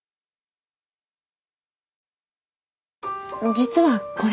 実はこれ。